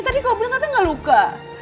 tadi kau bilang kata gak luka